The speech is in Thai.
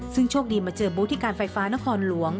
ซึ่งโชคดีมาเจอบูธที่การไฟฟ้านครหลวง